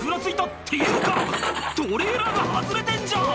「っていうかトレーラーが外れてんじゃん！」